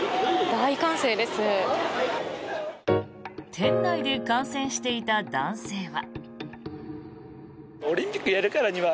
店内で観戦していた男性は。